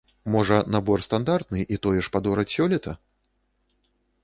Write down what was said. Можа, набор стандартны і тое ж падораць сёлета?